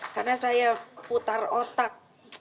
karena saya putar otak